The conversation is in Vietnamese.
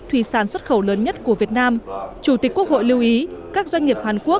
thủy sản xuất khẩu lớn nhất của việt nam chủ tịch quốc hội lưu ý các doanh nghiệp hàn quốc